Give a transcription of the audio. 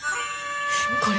これ。